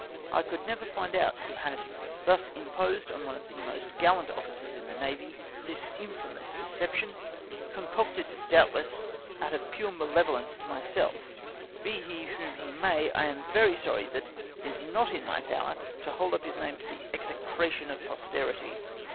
I never could find out who had thus imposed on one of the most gallant officers in the Navy this infamous deception, concocted, doubtless, out of pure malevolence to myself Be he whom he may, I am very sorry that it is not in my power to hold up his name to the exe cration of posterity.